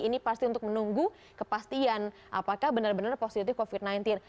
ini pasti untuk menunggu kepastian apakah benar benar positif covid sembilan belas